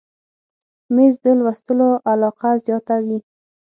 مېز د لوستلو علاقه زیاته وي.